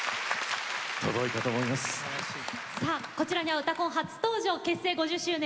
こちらには「うたコン」初登場、結成５０周年